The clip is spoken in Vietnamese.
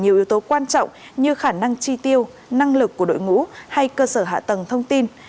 nhiều yếu tố quan trọng như khả năng chi tiêu năng lực của đội ngũ hay cơ sở hạ tầng thông tin